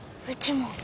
うちも。